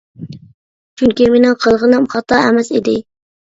چۈنكى مىنىڭ قىلغىنىم خاتا ئەمەس ئىدى.